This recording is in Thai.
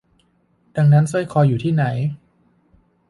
ดังนั้นสร้อยคออยู่ที่ไหน